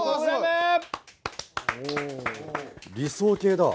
理想型だ。